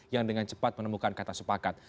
dan dengan cepat menemukan kata sepakat